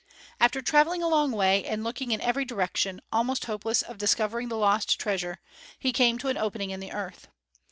After traveling a long way and looking in every direction, almost hopeless of discovering the lost treasure, he came to an opening in the earth.